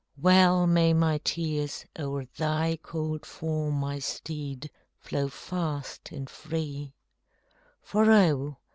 Well may my tears o'er thy cold form, My steed, flow fast and free, For, oh!